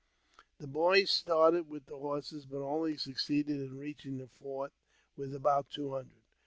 The boys started with the horses, but only succeeded in reaching the fort with about two hundred.